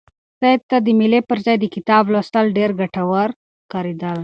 سعید ته د مېلې پر ځای د کتاب لوستل ډېر ګټور ښکارېدل.